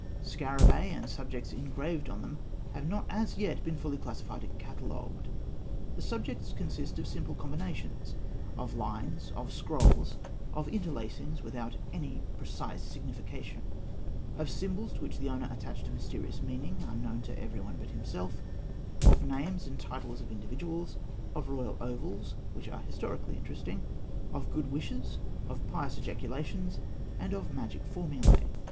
Scarabaei and the subjects engraved on them have not as yet been fully classified and catalogued. The subjects consist of simple combinations of lines; of scrolls; of interlacings without any precise signification; of symbols to which the owner attached a mysterious meaning, unknown to everyone but himself; of the names and titles of individuals; of royal ovals, which are historically interesting; of good wishes; of pious ejaculations; and of magic formulae.